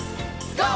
ＧＯ！